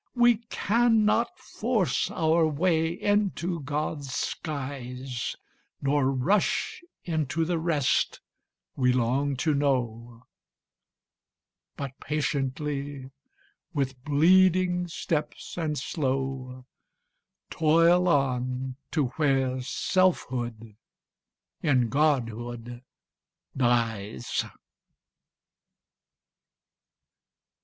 We cannot force our way into God's skies, Nor rush into the rest we long to know; But patiently, with bleeding steps and slow Toil on to where selfhood in Godhood dies.